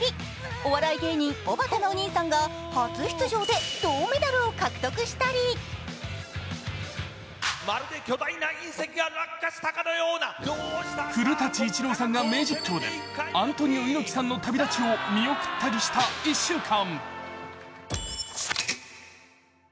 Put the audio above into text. お笑い芸人、おばたのお兄さんが初出場で銅メダルを獲得したり古舘伊知郎さんが名実況でアントニオ猪木さんの旅立ちを見送ったりした１週間。